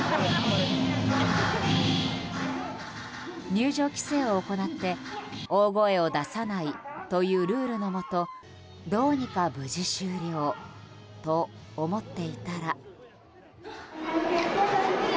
入場規制を行って、大声を出さないというルールのもとどうにか無事終了と思っていたら。